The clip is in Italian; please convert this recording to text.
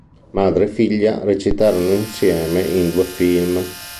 Madre e figlia recitarono insieme in due film.